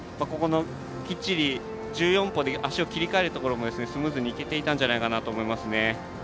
きっちり１４歩で足を切り替えるところもスムーズにいけていたんじゃないかなと思いますね。